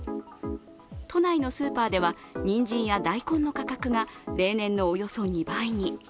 都内のスーパーではにんじんや大根の価格が例年のおよそ２倍に。